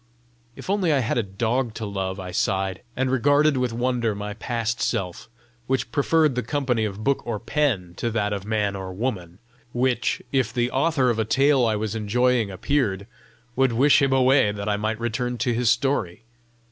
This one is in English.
"If only I had a dog to love!" I sighed and regarded with wonder my past self, which preferred the company of book or pen to that of man or woman; which, if the author of a tale I was enjoying appeared, would wish him away that I might return to his story.